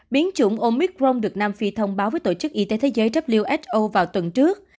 biến chủng omicron được nam phi thông báo với tổ chức y tế thế giới who vào tuần trước